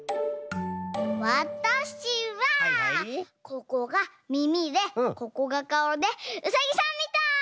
ここがみみでここがかおでうさぎさんみたい！